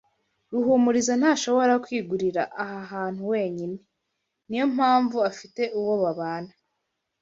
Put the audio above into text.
Ruhumuriza ntashobora kwigurira aha hantu wenyine. Niyo mpamvu afite uwo babana.